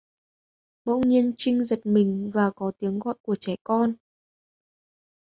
Bỗng nhiên Trinh giật mình và có tiếng gọi của trẻ con